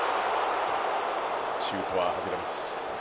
シュートは外れます。